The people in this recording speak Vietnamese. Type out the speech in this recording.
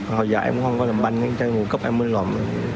hồi giờ em không có làm banh chơi mùa ôn cấp em mới lộn